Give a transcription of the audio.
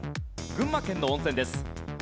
群馬県の温泉です。